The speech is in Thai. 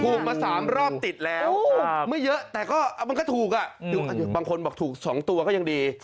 ถูกมา๓รอบติดแล้วไม่เยอะแต่ก็มันก็ถูกบางคนบอกถูก๒ตัวก็ยังดี